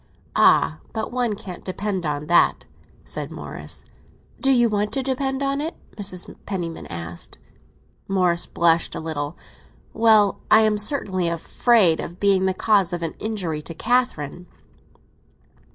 "Ah, but one can't depend on that!" said Morris. "Do you want to depend on it?" Mrs. Penniman asked. Morris blushed a little. "Well, I am certainly afraid of being the cause of an injury to Catherine."